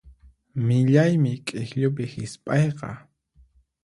Millaymi k'ikllupi hisp'ayqa.